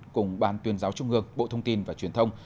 cùng ban tuyên giáo trung ương bộ thông tin và truyền thông